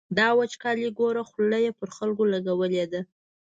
دا وچکالي ګوره، خوله یې پر خلکو لګولې ده.